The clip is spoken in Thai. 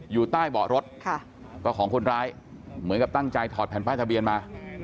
อยู่ใต้เบาะรถก็ของคนร้ายเหมือนกับตั้งใจถอดแผ่นป้ายทะเบียนมา